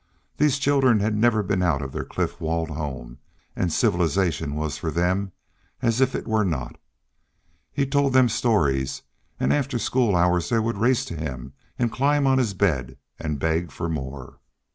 These children had never been out of their cliff walled home, and civilization was for them as if it were not. He told them stories, and after school hours they would race to him and climb on his bed, and beg for more.